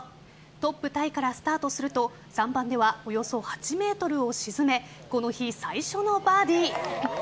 トップタイからスタートすると３番ではおよそ８ｍを沈めこの日、最初のバーディー。